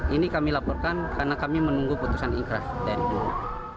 ini kami laporkan karena kami menunggu putusan ikhlas dan dua